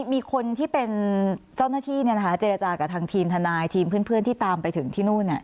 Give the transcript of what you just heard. มีคนที่เป็นเจ้าหน้าที่เจรจากับทางทีมทนายทีมเพื่อนที่ตามไปถึงที่นู่น